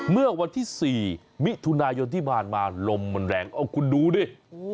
เมื่อวันที่๔มิถุนายนที่ผ่านมาลมมันแรงเอาคุณดูดิ